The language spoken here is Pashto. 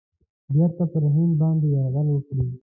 بیرته پر هند باندي یرغل وکړي.